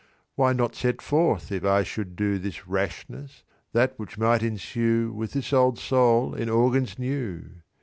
"Why not set forth, if I should do This rashness, that which might ensue With this old soul in organs new?